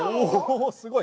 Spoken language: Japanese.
すごい。